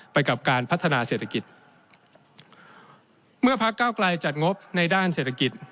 ไปกับการพัฒนาเศรษฐกิจเมื่อพักเก้าไกลจัดงบในด้านเศรษฐกิจ